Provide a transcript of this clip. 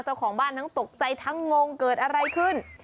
เจ้าของบ้านทั้งตกใจทั้งงงเกิดอะไรขึ้น